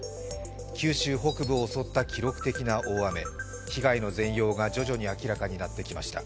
九州北部を襲った記録的な大雨、被害の全容が徐々に明らかになってきました。